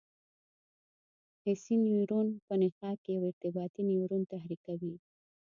حسي نیورون په نخاع کې یو ارتباطي نیورون تحریکوي.